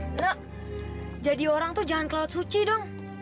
nek jadi orang tuh jangan kelaut suci dong